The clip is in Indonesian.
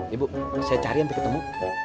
ya bu saya cari nanti ketemu